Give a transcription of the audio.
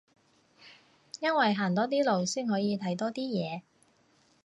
因為行多啲路先可以睇多啲嘢